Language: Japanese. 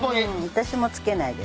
私も付けないです。